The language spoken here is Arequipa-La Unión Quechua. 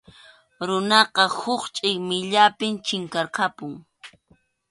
Runaqa huk chʼillmiyllapi chinkarqapun.